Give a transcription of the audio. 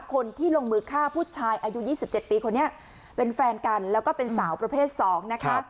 คนที่ลงมือฆ่าผู้ชายอายุ๒๗ปีคนนี้เป็นแฟนกันแล้วก็เป็นสาวประเภท๒นะคะ